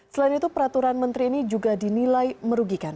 selain itu peraturan menteri ini juga dinilai merugikan